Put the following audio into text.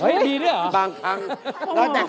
อย่ากลัว